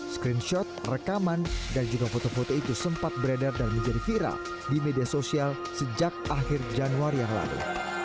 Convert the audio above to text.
screenshot rekaman dan juga foto foto itu sempat beredar dan menjadi viral di media sosial sejak akhir januari yang lalu